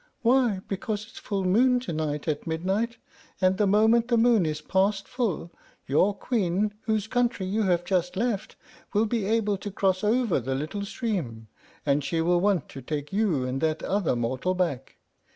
Why, because it's full moon to night at midnight, and the moment the moon is past the full your Queen, whose country you have just left, will be able to cross over the little stream, and she will want to take you and that other mortal back.